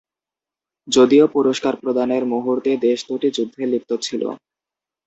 যদিও পুরস্কার প্রদানের মুহুর্তে দেশ দুটি যুদ্ধে লিপ্ত ছিল।